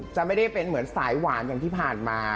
จะไม่ได้เป็นเหมือนสายหวานอย่างที่ผ่านมา